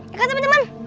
ya kan teman teman